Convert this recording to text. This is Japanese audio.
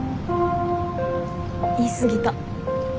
言い過ぎた。